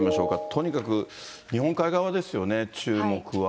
とにかく日本海側ですよね、注目は。